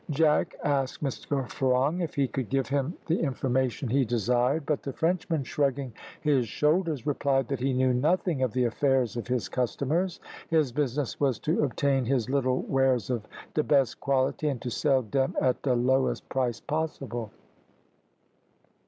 Jack asked Mr Ferong if he could give him the information he desired; but the Frenchman, shrugging his shoulders, replied that he knew nothing of the affairs of his customers; his business was to obtain "his littel wares of de best quality and to sell dem at de lowest price possible."